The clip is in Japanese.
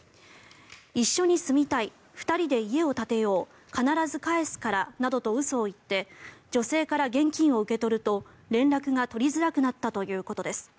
一緒に住みたい２人で家を建てよう必ず返すからなどと嘘を言って女性から現金を受け取ると連絡が取りづらくなったということです。